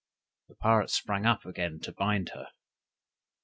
The pirate sprang up again to bind her.